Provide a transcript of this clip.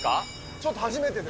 ちょっと初めてです。